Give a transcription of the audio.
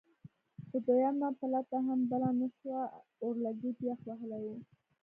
خو دویمه پلته هم بله نه شوه اورلګید یخ وهلی و.